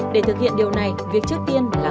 để thực hiện điều này việc trước tiên là